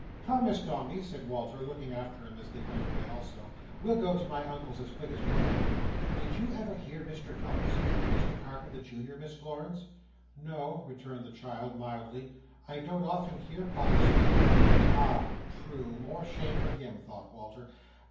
"Come, Miss Dombey," said Walter, looking after him as they turned away also, "we'll go to my Uncle's as quick as we can. Did you ever hear Mr Dombey speak of Mr Carker the Junior, Miss Florence?" "No," returned the child, mildly, "I don't often hear Papa speak." "Ah! true! more shame for him," thought Walter.